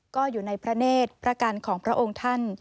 ก็อยู่ในพระเนธประกันของพระองค์ท่าน